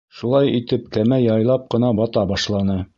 Шулай итеп, кәмә яйлап ҡына бата башланы.